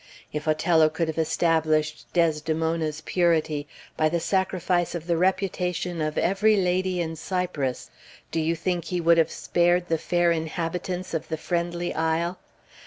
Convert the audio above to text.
If Othello could have established Desdemona's purity by the sacrifice of the reputation of every lady in Cyprus, do you think he would have spared the fair inhabitants of the friendly isle?